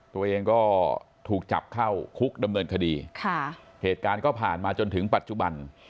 ตัวเองก็ถูกจับเข้าคุกนำเนินคดีเหตุการณ์ก็ผ่านมากะจุบัน